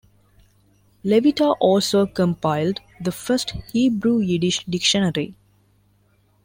Levita also compiled the first Hebrew-Yiddish dictionary.